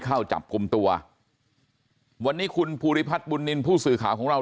เข้าจับกลุ่มตัววันนี้คุณภูริพัฒน์บุญนินทร์ผู้สื่อข่าวของเรา